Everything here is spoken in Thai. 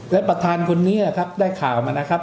และประธานคนนี้นะครับได้ข่าวมานะครับ